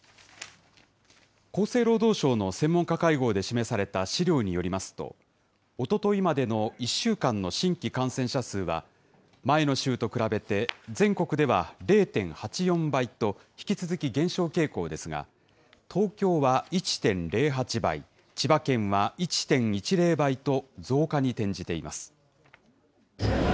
厚生労働省の専門家会合で示された資料によりますと、おとといまでの１週間の新規感染者数は、前の週と比べて全国では０．８４倍と、引き続き減少傾向ですが、東京は１．０８倍、千葉県は１．１０倍と増加に転じています。